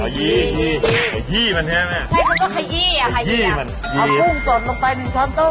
เอากุ้งอียม่ะเฮ้มเฮ้ยเอาซ่อมกันหนึ่งชอบโต๊ะ